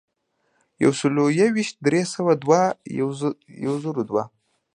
یو سلو یو ویشت ، درې سوه دوه ، یو زرو دوه.